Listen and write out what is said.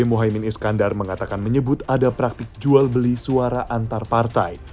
muhaymin iskandar mengatakan menyebut ada praktik jual beli suara antar partai